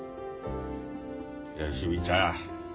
芳美ちゃん。